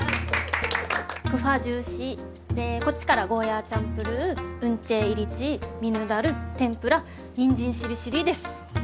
クファジューシーでこっちからゴーヤーチャンプルーウンチェーイリチーミヌダル天ぷらにんじんしりしりーです。